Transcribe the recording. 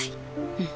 うん。